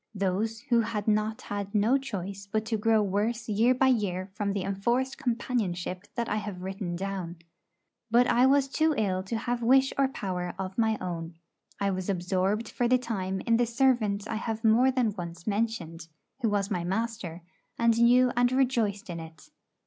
Those who had not had no choice but to grow worse year by year from the enforced companionship that I have written down. But I was too ill to have wish or power of my own. I was absorbed for the time in the servant I have more than once mentioned, who was my master, and knew and rejoiced in it.